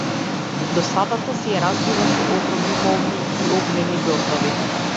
Досадата си ја разбива со огромни молњи и огнени дождови.